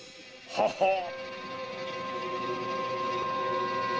ははっ。